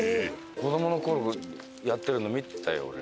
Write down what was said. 子どもの頃やってるの見てたよ俺。